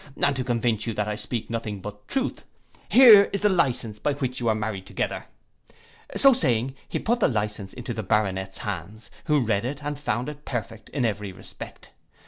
And to convince you that I speak nothing but truth, here is the licence by which you were married together.'—So saying, he put the licence into the Baronet's hands, who read it, and found it perfect in every respect.